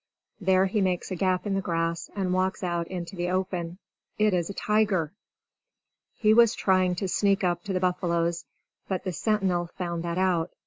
There he makes a gap in the grass, and walks out into the open. It is a tiger! He was trying to sneak up to the buffaloes; but the sentinel found that out.